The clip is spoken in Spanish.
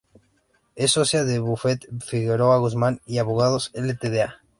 Es socia del bufete "Figueroa, Guzmán y Abogados Ltda.